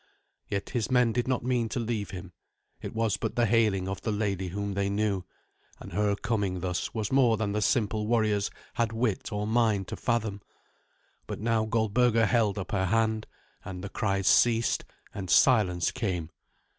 Yet his men did not mean to leave him. It was but the hailing of the lady whom they knew, and her coming thus was more than the simple warriors had wit or mind to fathom. But now Goldberga held up her hand, and the cries ceased, and silence came.